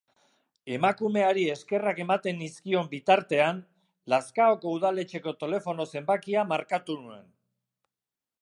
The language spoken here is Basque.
Emakumeari eskerrak ematen nizkion bitartean, Lazkaoko udaletxeko telefono zenbakia markatu nuen.